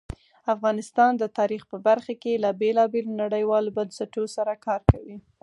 افغانستان د تاریخ په برخه کې له بېلابېلو نړیوالو بنسټونو سره کار کوي.